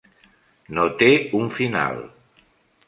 No té un final.